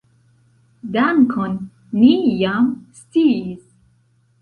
Dankon, ni jam sciis.